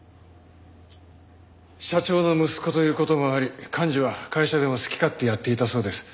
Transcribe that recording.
社長の息子という事もあり寛二は会社でも好き勝手やっていたそうです。